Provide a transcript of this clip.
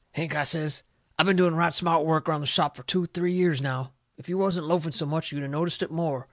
"Hank," I says, "I been doing right smart work around the shop fur two, three years now. If you wasn't loafing so much you'd a noticed it more.